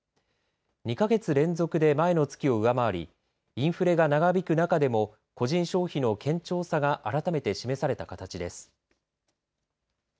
２か月連続で前の月を上回りインフレが長引く中でも個人消費の堅調さが改めて示された形です。